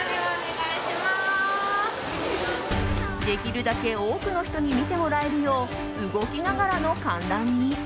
できるだけ多くの人に見てもらえるよう動きながらの観覧に。